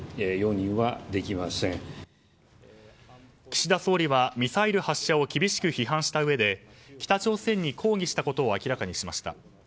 岸田総理は、ミサイル発射を厳しく批判したうえで北朝鮮に抗議したことを明らかにしました。